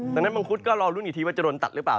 ดังนั้นมังคุดก็รอลุ้นอีกทีว่าจะโดนตัดหรือเปล่า